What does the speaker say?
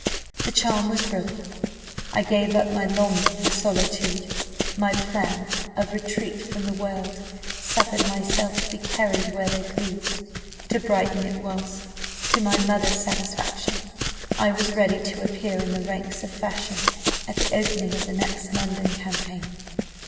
The charm was broken. I gave up my longing for solitude, my plan of retreat from the world; suffered myself to be carried where they pleased to Brighton it was to my mother's satisfaction. I was ready to appear in the ranks of fashion at the opening of the next London campaign.